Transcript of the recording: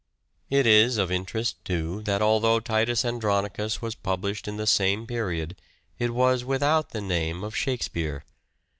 It is of interest, too, that although " Titus Andronicus " was published in the same period it was without the name of " Shake speare."